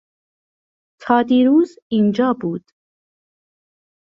تا دیروز اینجا بود.